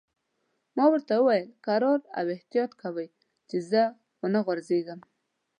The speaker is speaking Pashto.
ما ورته وویل: کرار او احتیاط کوئ، چې زه و نه غورځېږم.